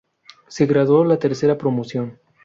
Se graduó la tercera promoción.